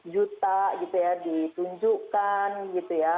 lima juta gitu ya ditunjukkan gitu ya